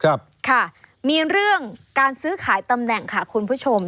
ครับค่ะมีเรื่องการซื้อขายตำแหน่งค่ะคุณผู้ชม